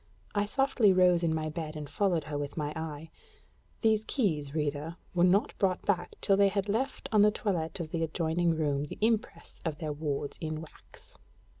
I softly rose in my bed and followed her with my eye: these keys, reader, were not brought back till they had left on the toilet of the adjoining room the impress of their wards in wax.